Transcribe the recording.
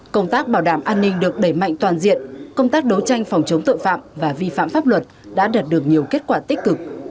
công tác bảo đảm an ninh được đẩy mạnh toàn diện công tác đấu tranh phòng chống tội phạm và vi phạm pháp luật đã đạt được nhiều kết quả tích cực